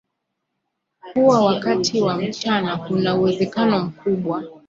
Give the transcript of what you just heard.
kuwa wakati wa mchana kuna uwezekano mkubwa